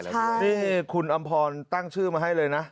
นี่คุณอำพรตั้งชื่อมาให้เลยนะ